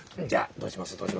どうします？